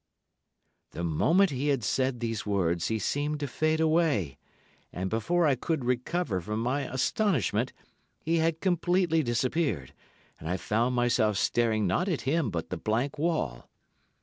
"The moment he had said these words, he seemed to fade away, and before I could recover from my astonishment, he had completely disappeared, and I found myself staring not at him but the blank wall.